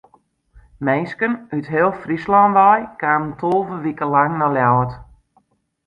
Minsken út heel Fryslân wei kamen tolve wiken lang nei Ljouwert.